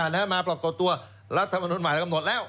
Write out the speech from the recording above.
แล้วมาปรากฏตัวรัฐมนุนใหม่กำหนดแล้ว